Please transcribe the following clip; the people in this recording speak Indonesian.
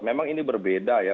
memang ini berbeda ya